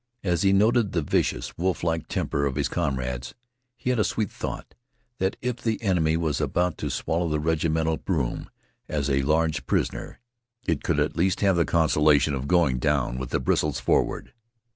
As he noted the vicious, wolflike temper of his comrades he had a sweet thought that if the enemy was about to swallow the regimental broom as a large prisoner, it could at least have the consolation of going down with bristles forward.